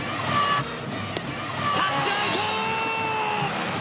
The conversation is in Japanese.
タッチアウト！